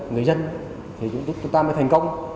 người dân thì chúng ta mới thành công